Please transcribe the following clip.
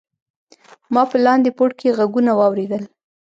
ما په لاندې پوړ کې غږونه واوریدل.